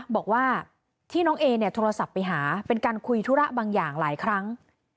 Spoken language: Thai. บอกว่าที่น้องเอเนี่ยโทรศัพท์ไปหาเป็นการคุยธุระบางอย่างหลายครั้ง